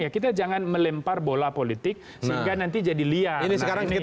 kita jangan melempar bola politik sehingga nanti jadi liar